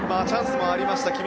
チャンスもありました